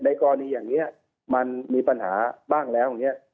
กรณีอย่างนี้มันมีปัญหาบ้างแล้วอย่างนี้